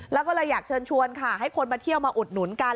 แล้วก็เลยอยากเชิญชวนค่ะให้คนมาเที่ยวมาอุดหนุนกัน